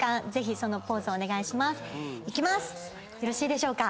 よろしいでしょうか。